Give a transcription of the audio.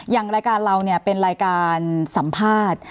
อย่างรายการเราเนี่ยเป็นรายการสัมภาษณ์